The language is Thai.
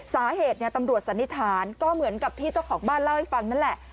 สาเหตุตำรวจสันนิษฐานก็เหมือนกับที่เจ้าของบ้านเล่าให้ฟังนั่นแหละ